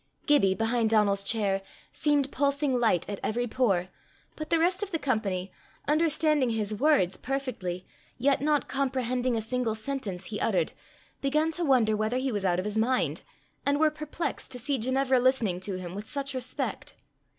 Gibbie, behind Donal's chair, seemed pulsing light at every pore, but the rest of the company, understanding his words perfectly, yet not comprehending a single sentence he uttered, began to wonder whether he was out of his mind, and were perplexed to see Ginevra listening to him with such respect.